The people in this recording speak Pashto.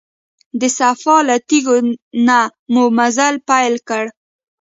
د صفا له تیږو نه مو مزل پیل کړ.